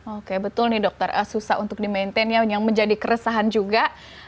oke betul nih dokter susah untuk di maintain ya yang menjadi keresahan juga